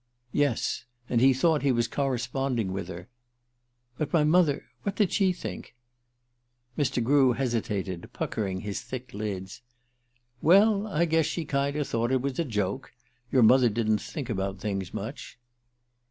"Yes. And he thought he was corresponding with her." "But my mother what did she think?" Mr. Grew hesitated, puckering his thick lids. "Well, I guess she kinder thought it was a joke. Your mother didn't think about things much."